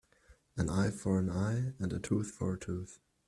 An eye for an eye and a tooth for a tooth.